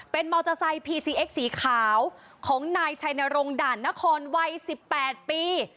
เป็นมอเตอร์ไซค์พีซีเอ็กสีขาวของนายชัยนรงด่านนครวัย๑๘ปี